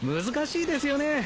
難しいですよね。